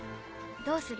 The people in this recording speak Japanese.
どうする？